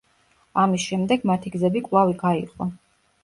ამის შემდეგ მათი გზები კვლავ გაიყო.